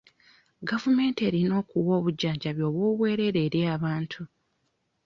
Gavumenti erina okuwa obujjanjabi obw'obwereere eri abantu.